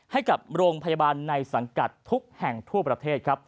ให้กับโรงพยาบาลในสังกัดทุกแห่งทั่วประเทศครับ